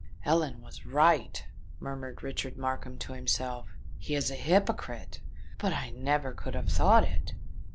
"Ellen was right!" murmured Richard Markham to himself: "he is a hypocrite! But I never could have thought it!"